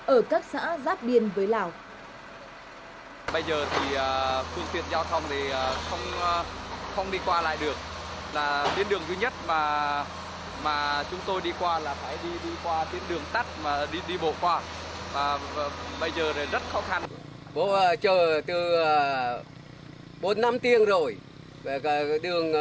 ở các xã giáp biên với lào